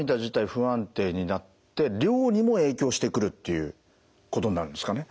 不安定になって量にも影響してくるっていうことになるんですかね。